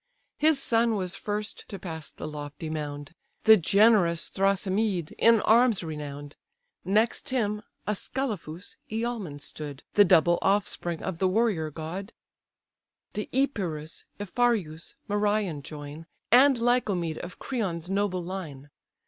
His son was first to pass the lofty mound, The generous Thrasymed, in arms renown'd: Next him, Ascalaphus, Iälmen, stood, The double offspring of the warrior god: Deipyrus, Aphareus, Merion join, And Lycomed of Creon's noble line.